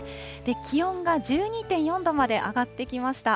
気温が１２．４度まで上がってきました。